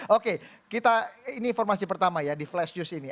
oke kita ini informasi pertama ya di flash news ini